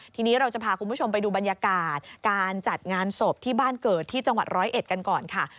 ทีนี้เราจะพาคุณผู้ชมไปดูบรรยากาศการจัดงานศพที่บ้านเกิดที่จังหวัดร้อยเอ็ดกันก่อนค่ะ